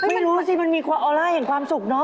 ไม่รู้สิมันมีความออนไลน์เห็นความสุขเนอะ